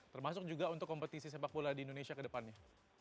termasuk juga untuk kompetisi sepak bola di indonesia ke depannya